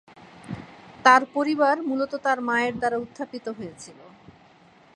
তার পরিবার মূলত তার মায়ের দ্বারা উত্থাপিত হয়েছিল।